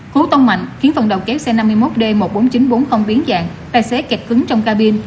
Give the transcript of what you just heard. cú tông mạnh khiến phần đầu kéo xe năm mươi một d một mươi bốn nghìn chín trăm bốn mươi biến dạng tài xế kẹt cứng trong ca bin